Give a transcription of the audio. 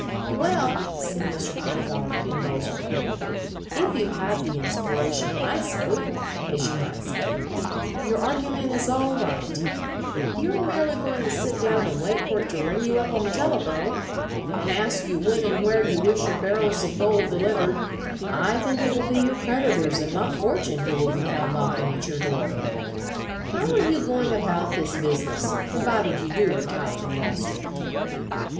"Well," said Mr. Pedagog, indulgently, "if you have the inspiration lassoed, as you might say, your argument is all right; but if you are merely going to sit down and wait for it to ring you up on the telephone, and ask you when and where you wish your barrels of gold delivered, I think it will be your creditors, and not fortune, who will be found knocking at your door. How are you going about this business, provided you do retire from Wall Street?"